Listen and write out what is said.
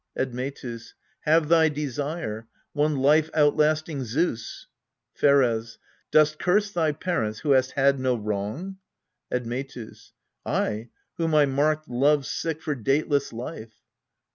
Admetus. Have thy desire one life outlasting Zeus. Pheres. Dost curse thy parents, who hast had no wrong? Admetus. Ay, whom I marked love sick for dateless life.